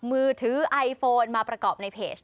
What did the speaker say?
มือถือไอโฟนมาประกอบในเพจ